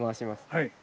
はい。